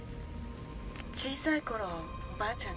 小さい頃おばあちゃん